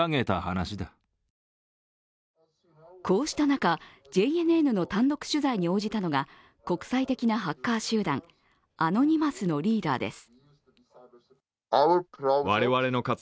こうした中、ＪＮＮの単独取材に応じたのが国際的なハッカー集団アノニマスのリーダーです。